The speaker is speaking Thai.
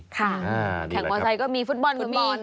แข่งมอเตอร์ไซค์ก็มีฟุตบอล